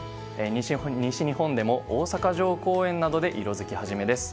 西日本でも、大阪城公園などで色づき始めです。